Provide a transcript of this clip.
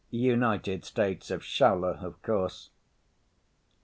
United States of Shaula, of course.